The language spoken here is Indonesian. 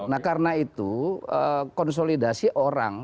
nah karena itu konsolidasi orang